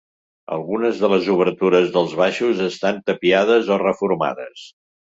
Algunes de les obertures dels baixos estan tapiades o reformades.